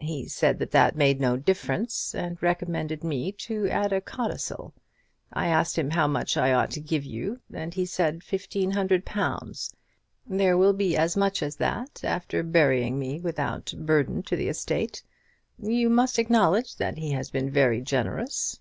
He said that that made no difference, and recommended me to add a codicil. I asked him how much I ought to give you, and he said fifteen hundred pounds. There will be as much as that after burying me without burden to the estate. You must acknowledge that he has been very generous."